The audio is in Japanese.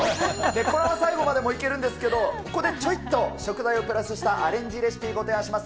このまま最後までもいけるんですけど、ここでちょいと、食材をプラスしたアレンジレシピご提案します。